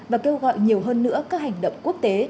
và kêu gọi nhiều hơn nữa các hành động quốc tế